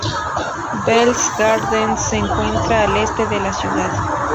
Bell Gardens se encuentra al este de la ciudad.